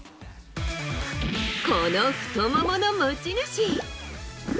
この太ももの持ち主。